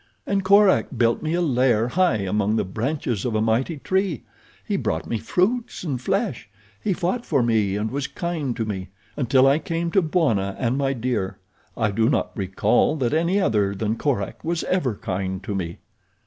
"And Korak built me a lair high among the branches of a mighty tree. He brought me fruits and flesh. He fought for me and was kind to me—until I came to Bwana and My Dear I do not recall that any other than Korak was ever kind to me."